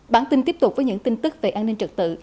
bản tin tiếp tục với những tin tức về an ninh trật tự